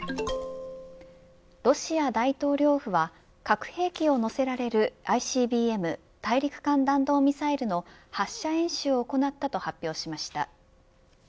ロシア大統領府は核兵器を載せられるＩＣＢＭ、大陸間弾道ミサイルの発射演習を行ったと発表しました。